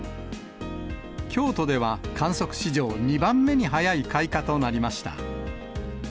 京都では、観測史上２番目に早い開花となりました。